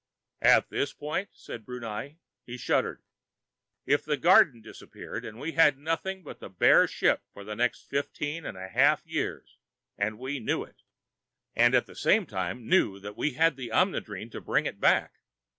"At this point?" said Brunei. He shuddered. "If the garden disappeared, and we had nothing but the bare ship for the next fifteen and a half years, and we knew it, and at the same time knew that we had the Omnidrene to bring it back....